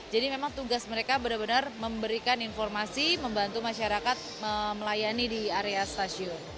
jadi memang tugas mereka benar benar memberikan informasi membantu masyarakat melayani di area stasiun